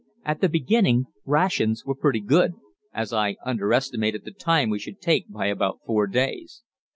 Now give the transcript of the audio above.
At the beginning rations were pretty good, as I underestimated the time we should take by about four days.